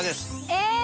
え！